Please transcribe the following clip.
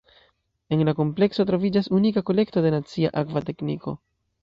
En la komplekso troviĝas unika kolekto de nacia akva tekniko.